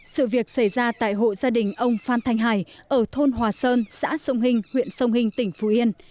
sự việc xảy ra tại hộ gia đình ông phan thanh hải ở thôn hòa sơn xã sông hình huyện sông hình tỉnh phú yên